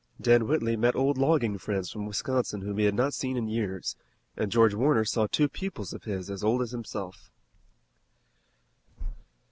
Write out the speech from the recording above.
Dan Whitley met old logging friends from Wisconsin whom he had not seen in years, and George Warner saw two pupils of his as old as himself.